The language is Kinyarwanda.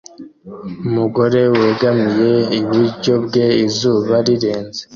Umugore wegamiye iburyo bwe izuba rirenze